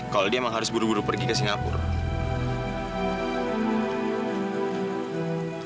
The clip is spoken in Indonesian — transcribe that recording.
kalau dia memang harus buru buru pergi ke singapura